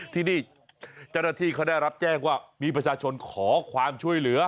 ที่นี่เจ้าหน้าที่เขาได้รับแจ้งว่ามีประชาชนขอความช่วยเหลือ